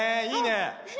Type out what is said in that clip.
いいね！